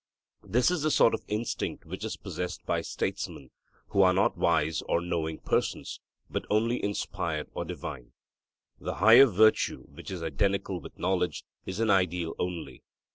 This is the sort of instinct which is possessed by statesmen, who are not wise or knowing persons, but only inspired or divine. The higher virtue, which is identical with knowledge, is an ideal only.